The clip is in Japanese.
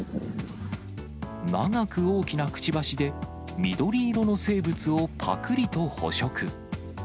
長く大きなくちばしで、緑色の生物をぱくりと捕食。